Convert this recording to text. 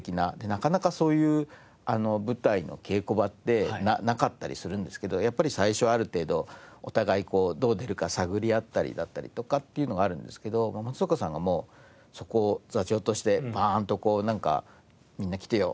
なかなかそういう舞台の稽古場ってなかったりするんですけどやっぱり最初はある程度お互いどう出るか探り合ったりだったりとかっていうのがあるんですけど松岡さんがもうそこを座長としてパーンとこうなんかみんな来てよ